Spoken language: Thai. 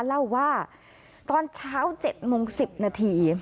เล่าว่าตอนเช้า๗โมง๑๐นาที